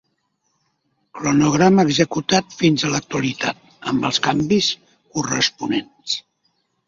Cronograma executat fins a l'actualitat amb els canvis corresponents.